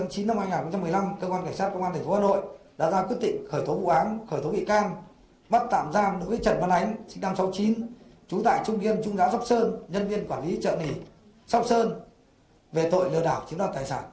cơ quan công an đã khởi tố bị can bắt tạm giam đối với trần văn ánh sinh năm một nghìn chín trăm sáu mươi chín trú tại trung yên trung giáo sóc sơn nhân viên quản lý trợ nỉ sóc sơn về tội lừa đảo chiếm đoạt tài sản